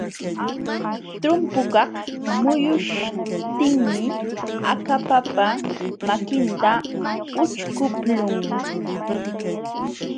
Trumpukaq muyuśhtinmi akapapa makinta ućhkuqlun.